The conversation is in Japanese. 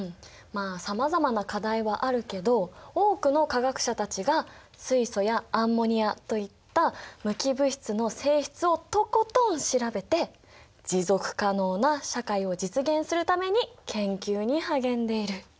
まあさまざまな課題はあるけど多くの化学者たちが水素やアンモニアといった無機物質の性質をとことん調べて持続可能な社会を実現するために研究に励んでいる。